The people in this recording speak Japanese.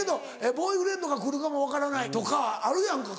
ボーイフレンドが来るかも分からないとかあるやんか。